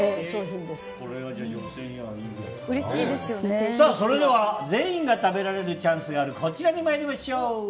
それでは全員が食べられるチャンスがあるこちらに参りましょう。